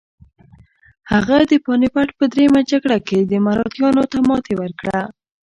هغه د پاني پت په دریمه جګړه کې مراتیانو ته ماتې ورکړه.